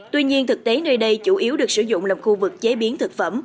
tuy nhiên thực tế nơi đây chủ yếu được sử dụng làm khu vực chế biến thực phẩm